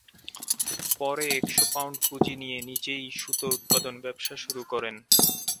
পরে একশ পাউন্ড পুঁজি নিয়ে নিজেই সুতা উৎপাদন ব্যবসা শুরু করেন।